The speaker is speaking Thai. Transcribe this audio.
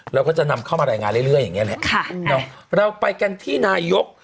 เราก็จะนำเข้ามารายงานเรื่อยอย่างเงี้แหละค่ะเนอะเราไปกันที่นายก